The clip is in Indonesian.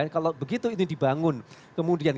kalau begitu ini dibangun kemudian